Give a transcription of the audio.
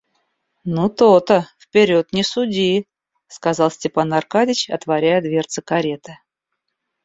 Ну то-то, вперед не суди, — сказал Степан Аркадьич, отворяя дверцы кареты.